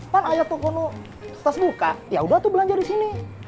pan ayat toko nucan buka yaudah tuh belanja di sini